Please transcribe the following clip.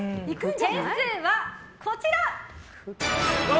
点数はこちら！